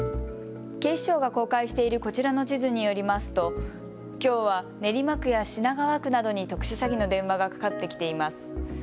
警視庁が公開しているこちらの地図によりますときょうは練馬区や品川区などに特殊詐欺の電話がかかってきています。